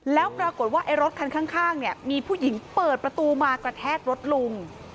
แล้วปรากฏว่าไอ้รถคันข้างเนี่ยมีผู้หญิงเปิดประตูมากระแทกรถลุง